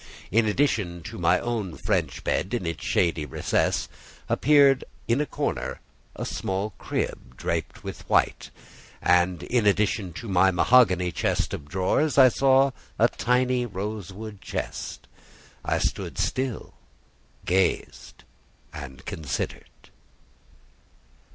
In, addition to my own French bed in its shady recess, appeared in a corner a small crib, draped with white; and in addition to my mahogany chest of drawers, I saw a tiny rosewood chest. I stood still, gazed, and considered.